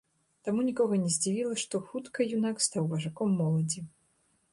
Таму нікога не здзівіла, што хутка юнак стаў важаком моладзі.